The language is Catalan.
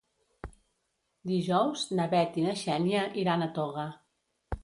Dijous na Bet i na Xènia iran a Toga.